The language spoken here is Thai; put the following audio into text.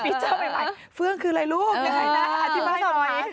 มีฟิเจอร์ใหม่เฟืองคืออะไรลูกอาจมาย